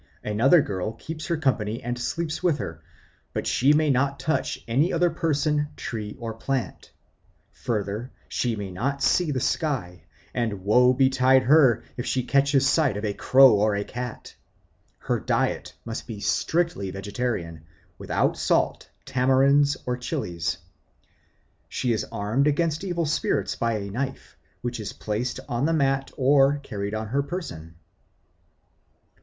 Another girl keeps her company and sleeps with her, but she may not touch any other person, tree or plant. Further, she may not see the sky, and woe betide her if she catches sight of a crow or a cat! Her diet must be strictly vegetarian, without salt, tamarinds, or chillies. She is armed against evil spirits by a knife, which is placed on the mat or carried on her person.